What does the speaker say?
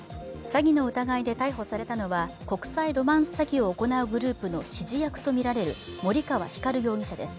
詐欺の疑いで逮捕されたのは国際ロマンス詐欺を行うグループの指示役とみられる森川光容疑者です。